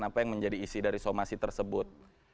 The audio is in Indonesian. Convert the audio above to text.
apa yang menjadi isi dari somasi tersebut